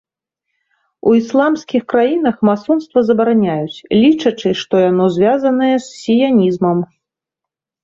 У ісламскіх краінах масонства забараняюць, лічачы, што яно звязанае з сіянізмам.